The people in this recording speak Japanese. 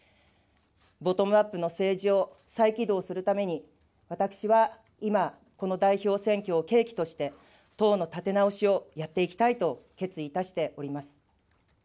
ボトムアップの政治を再起動するために、私は今、この代表選挙を契機として、党の立て直しをやっていきたいと決意いたしております。